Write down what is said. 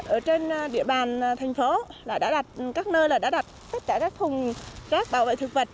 ở trên địa bàn thành phố các nơi đã đặt tất cả các thùng rác bảo vệ thực vật